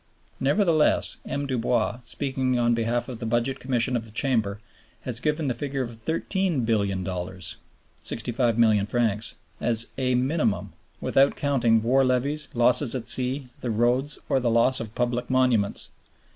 Nevertheless, M. Dubois, speaking on behalf of the Budget Commission of the Chamber, has given the figure of $13,000,000,000 (65 milliard francs) "as a minimum" without counting "war levies, losses at sea, the roads, or the loss of public monuments."